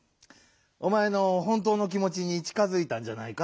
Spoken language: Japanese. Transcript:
おまえのほんとうの気もちにちかづいたんじゃないか？